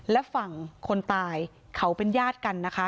และฝั่งคนตายเขาเป็นญาติกันนะคะ